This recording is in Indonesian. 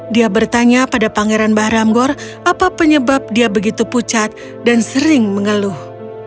dia bertanya pada pangeran bahram gor apa penyebab dia begitu pucat dan sering mengeluh